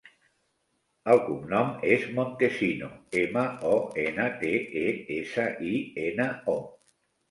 El cognom és Montesino: ema, o, ena, te, e, essa, i, ena, o.